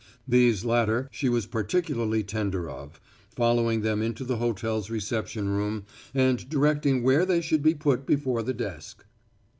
These latter she was particularly tender of, following them into the hotel's reception room and directing where they should be put before the desk.